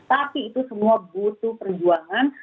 tapi itu semua butuh perjuangan